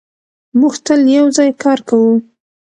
موږ تل یو ځای کار کوو.